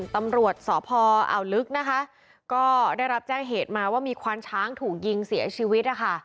ตำรวจสพอ่าวลึกนะคะก็ได้รับแจ้งเหตุมาว่ามีควานช้างถูกยิงเสียชีวิตนะคะ